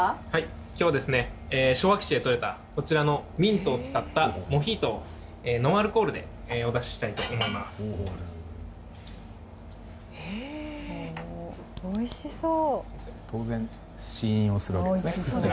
今日は昭和基地でとれたミントを使ったモヒートをノンアルコールでお出ししたいと思います。